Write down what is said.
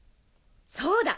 そうだ！